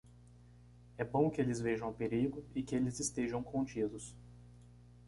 É bom que eles vejam o perigo e que eles estejam contidos.